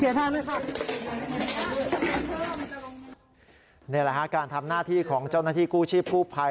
นี่แหละฮะการทำหน้าที่ของเจ้าหน้าที่กู้ชีพกู้ภัย